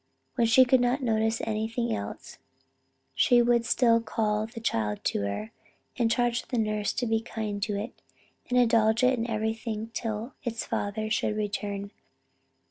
When she could not notice anything else, she would still call the child to her, and charge the nurse to be kind to it, and indulge it in everything till its father should return.